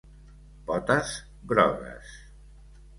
Potes grogues.